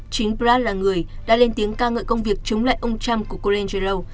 chính pratt là người đã lên tiếng ca ngợi công việc chống lại ông trump của colangelo